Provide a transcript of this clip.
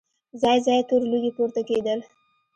ځای ځای تور لوګي پورته کېدل.